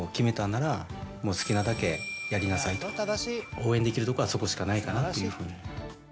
応援できるところはそこしかないかなっていうふうに。